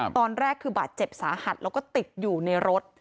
ตอนแรกคือบาดเจ็บสาหัสแล้วก็ติดอยู่ในรถ